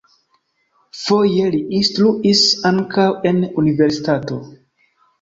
Foje li instruis ankaŭ en universitato.